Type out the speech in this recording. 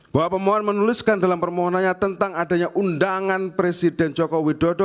bahwa pemohon menuliskan dalam permohonannya tentang adanya undangan presiden joko widodo